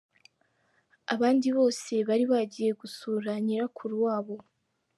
Abandi bose bari bagiye gusura nyirakuru wabo.